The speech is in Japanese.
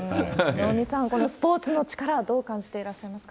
能見さん、このスポーツの力、どう感じていらっしゃいますか？